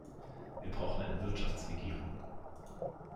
Wir brauchen eine Wirtschaftsregierung.